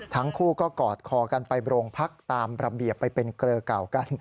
ทั้งคู่ก็กอดคอกันไปโรงพักตามระเบียบไปเป็นเกลือเก่ากัน